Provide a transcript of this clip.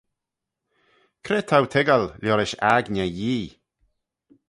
Cre t'ou toiggal liorish aigney Yee?